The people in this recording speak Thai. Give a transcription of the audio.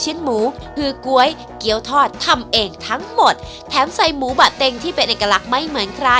หมูฮือก๊วยเกี้ยวทอดทำเองทั้งหมดแถมใส่หมูบะเต็งที่เป็นเอกลักษณ์ไม่เหมือนใคร